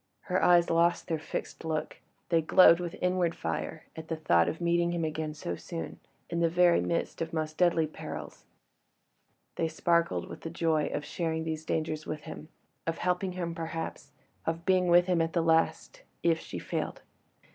Her eyes lost their fixed look; they glowed with inward fire at the thought of meeting him again so soon, in the very midst of most deadly perils; they sparkled with the joy of sharing these dangers with him—of helping him perhaps—of being with him at the last—if she failed.